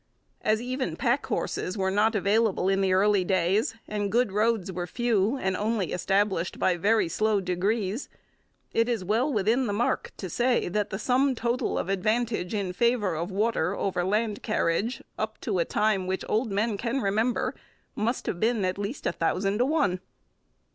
As even pack horses were not available in the early days, and good roads were few and only established by very slow degrees, it is well within the mark to say that the sum total of advantage in favour of water over land carriage, up to a time which old men can remember, must have been at least a thousand to one.